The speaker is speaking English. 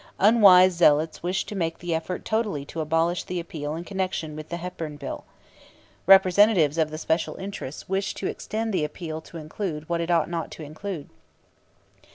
Unwise zealots wished to make the effort totally to abolish the appeal in connection with the Hepburn Bill. Representatives of the special interests wished to extend the appeal to include what it ought not to include.